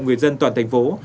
người dân toàn thành phố